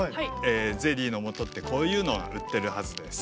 ゼリーの素ってこういうのが売ってるはずです。